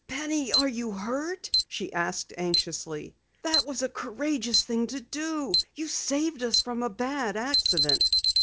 "Penny, are you hurt?" she asked anxiously. "That was a courageous thing to do! You saved us from a bad accident."